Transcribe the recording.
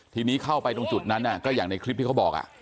ทีนี้เข้าไปตรงจุดนั้นก็อย่างในคลิปที่เขาบอก